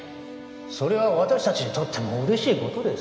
それは私たちにとっても嬉しい事です。